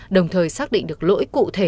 đồng thời xác định được lỗi cụ thể